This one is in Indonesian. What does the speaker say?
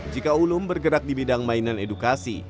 jika ulum bergerak di bidang mainan edukasi